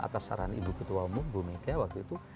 atas saran ibu ketua umum bu mega waktu itu